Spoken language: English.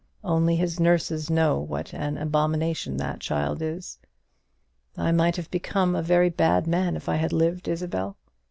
Only his nurses know what an abomination that child is. I might have become a very bad man if I had lived, Isabel.